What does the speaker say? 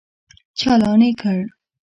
چالان يې کړ.